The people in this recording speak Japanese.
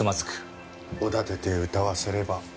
おだててうたわせれば。